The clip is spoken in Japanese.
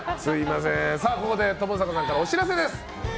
ここでともさかさんからお知らせです。